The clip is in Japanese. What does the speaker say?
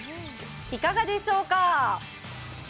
いかがでしょうか。